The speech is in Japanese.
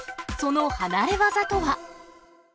その離れ業とは？